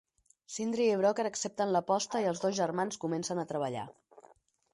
Sindri i Brokkr accepten l'aposta i els dos germans comencen a treballar.